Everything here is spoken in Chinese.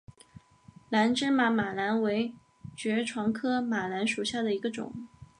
野芝麻马蓝为爵床科马蓝属下的一个种。